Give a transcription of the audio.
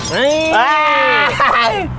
เฮ้ย